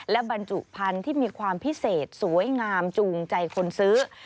และบรรจุพันธุ์ที่มีความพิเศษสวยงามจูงใจคนซื้อ